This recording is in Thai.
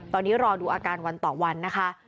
ตอนนี้รอดูอาการวันต่อวันนะคะ